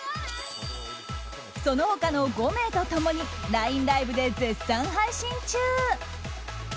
その他の５名と共にＬＩＮＥＬＩＶＥで絶賛配信中。